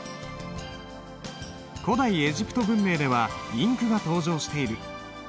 古代エジプト文明ではインクが登場している。